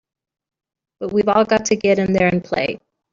But we've all got to get in there and play!